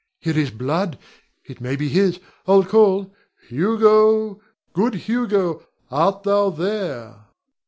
Here is blood it may be his. I'll call. Hugo, good Hugo, art thou here?